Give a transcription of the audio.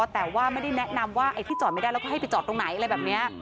แต่ว่าไม่ได้แนะนำว่าไอ้ที่จอดไม่ได้แล้วก็ให้ไปจอดตรงไหนอะไรแบบนี้